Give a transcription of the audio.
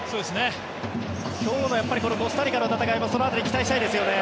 今日のコスタリカの戦いもその辺り期待したいですよね。